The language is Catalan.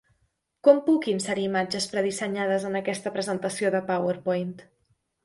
Con puc inserir imatges predissenyades en aquesta presentació de PowerPoint?